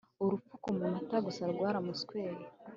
Urupfu kumutora gusa rwaramusweye